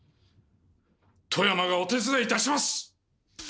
外山がお手伝いいたします！